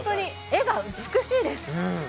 絵が美しいです。